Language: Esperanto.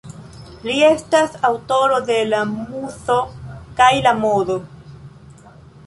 Li estas aŭtoro de ""La Muzo kaj la Modo"".